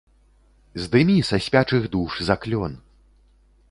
Здымі са спячых душ заклён!